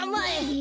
え！